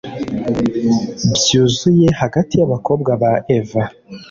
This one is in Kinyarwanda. Byuzuye hagati yabakobwa ba Eva